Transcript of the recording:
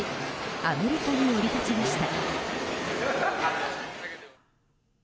アメリカに降り立ちました。